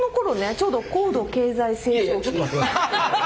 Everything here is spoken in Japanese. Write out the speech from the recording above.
ちょうど高度経済成長期。